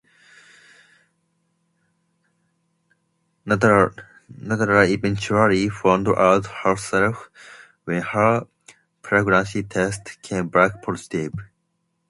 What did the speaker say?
Natalie eventually found out herself when her pregnancy test came back positive.